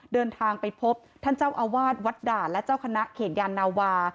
เดินทางไปพบท่านเจ้าอาวาสวัดด่านและเจ้าคณะเขตยานาวา